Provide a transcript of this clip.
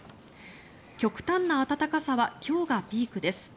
極端な暖かさは今日がピークです。